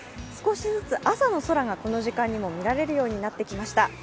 少しずつ朝の空がこの時間にも見られるようになってきました。